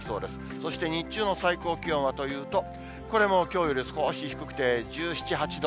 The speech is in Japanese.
そして日中の最高気温はというと、これもきょうより少し低くて、１７、８度。